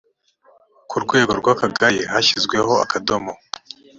ku rwego rw akagari hashyizweho akadomo